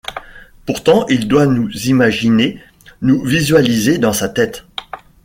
Pourtant il doit nous imaginer, nous visualiser dans sa tête...